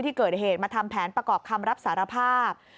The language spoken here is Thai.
ที่เกิดเหตุมาทำแผนประกอบคำรับสารภาพ